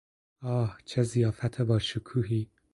آه، چه ضیافت با شکوهی!